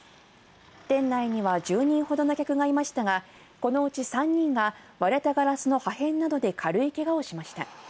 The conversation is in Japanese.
店内には１０人ほどの客がいましたが、このうち３人が、割れたガラスの破片などで軽いけがをしました。